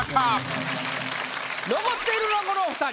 残っているのはこのお二人。